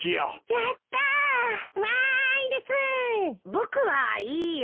僕はいいよ。